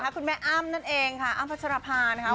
คุณแม่อ้ำนั่นเองค่ะอ้ำพัชรภานะคะ